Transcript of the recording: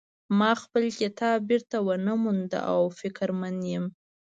ما خپل کتاب بیرته ونه مونده او فکرمن یم